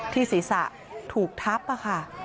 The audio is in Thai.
ศีรษะถูกทับค่ะ